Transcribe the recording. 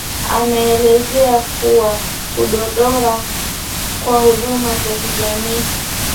ameelezea kuwa kudorora kwa huduma za kijamii